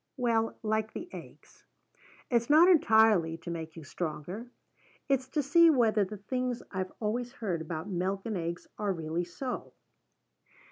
Well, like the eggs. It's not entirely to make you stronger. It's to see whether the things I've always heard about milk and eggs are really so.